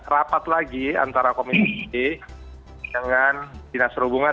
rapat lagi antara komisi dengan dinas perhubungan